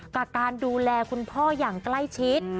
กับการดูแลคุณพ่ออย่างใกล้ชิด